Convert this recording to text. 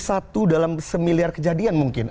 satu dalam semiliar kejadian mungkin